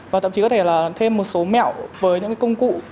và thậm chí có thể là thêm một số mẹo với những cái công cụ